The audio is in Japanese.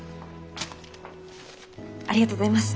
ありがとうございます。